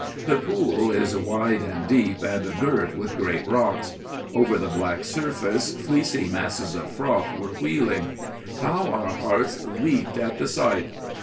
The pool is wide and deep, and girt with great rocks. Over the black surface fleecy masses of froth were wheeling. How our hearts leaped at the sight!